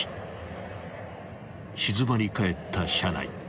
［静まり返った車内］